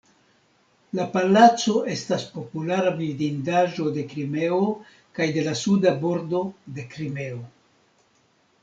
La palaco estas populara vidindaĵo de Krimeo kaj de la Suda Bordo de Krimeo.